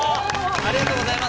ありがとうございます。